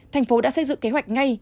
thành phố đã xây dựng kế hoạch ngay